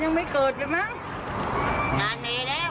นานมีแล้ว